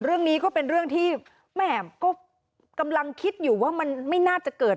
เรื่องนี้ก็เป็นเรื่องที่แม่ก็กำลังคิดอยู่ว่ามันไม่น่าจะเกิด